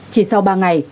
chỉ sau ba ngày